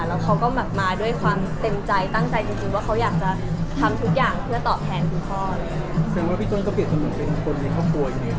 แล้วเขาก็มาด้วยความเต็มใจตั้งใจจริงว่าเขาอยากจะทำทุกอย่างเพื่อตอบแทนคุณพ่อ